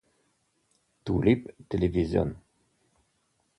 Tulip Television